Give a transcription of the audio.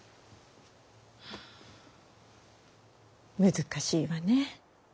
難しいわね